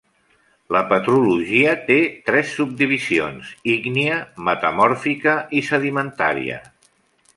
La petrologia té tres subdivisions, ígnia, metamòrfica i sedimentària.